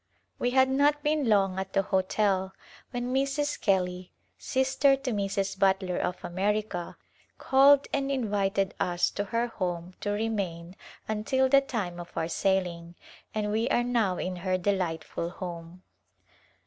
We had not been long at the hotel when Mrs. Kelly, sister to Mrs. Butler of America, called and A Glimpse of India invited us to her home to remain until the time of our sailing, and we are now in her delightful home.